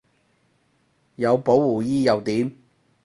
有保護衣又點